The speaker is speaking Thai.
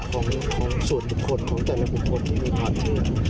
ของส่วนบุคคลของแต่ละบุคคลที่มีความเชื่อ